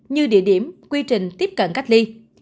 như địa điểm quy trình tiếp cận cách ly